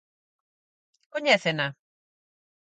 ¿Coñécena?